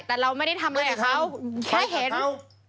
แต่เราไม่ได้ทำอะไรกับเขาไม่ได้ทำแค่เห็นไปกับเขา